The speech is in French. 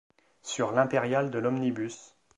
Sur l'impériale de l'omnibus.